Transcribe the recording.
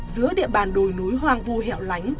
giữa địa bàn đồi núi hoang vu hẻo lánh